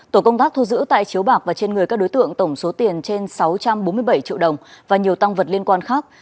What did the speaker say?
tổ công tác thu giữ tại chiếu bạc và trên người các đối tượng tổng số tiền trên sáu trăm bốn mươi bảy triệu đồng và nhiều tăng vật liên quan khác